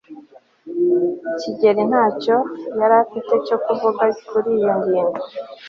kigeri ntacyo yari afite cyo kuvuga kuri iyo ngingo